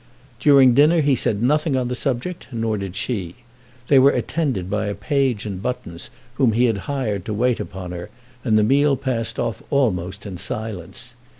During dinner he said nothing on the subject, nor did she. They were attended by a page in buttons whom he had hired to wait upon her, and the meal passed off almost in silence.